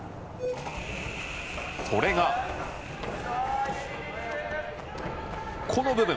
それが、この部分。